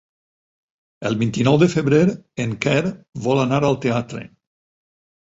El vint-i-nou de febrer en Quer vol anar al teatre.